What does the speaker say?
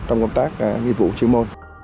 trong công tác nghiệp vụ chuyên môn